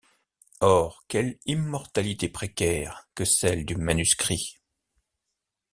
Or quelle immortalité précaire que celle du manuscrit!